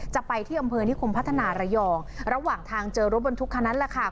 จะไปที่อำเภอนิคมพัฒนาระยองระหว่างทางเจอรถบรรทุกคันนั้นแหละค่ะ